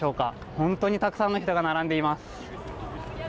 本当にたくさんの人が並んでいます。